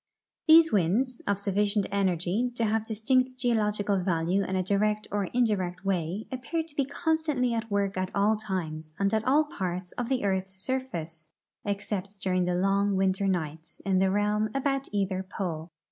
These winds, of sufficient energy to have distinct geo logical value in a direct or indirect way, appear to be constantly at work at all times and at all parts of the earth's surface, except during the long Avinter nights in the realm about either pole.